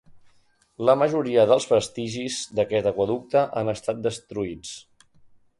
La majoria dels vestigis d'aquest aqüeducte han estat destruïts.